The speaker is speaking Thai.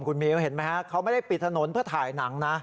คุณมิวเห็นไหมฮะเขาไม่ได้ปิดถนนเพื่อถ่ายหนังนะ